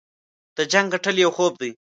د جنګ ګټل یو خوب دی.